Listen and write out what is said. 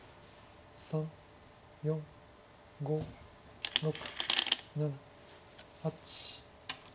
３４５６７８。